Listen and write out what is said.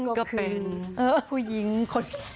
ก็คือผู้หญิงก็คือ